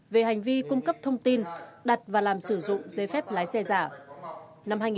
về hành vi cung cấp thông tin đặt và làm sử dụng giấy phép lái xe giả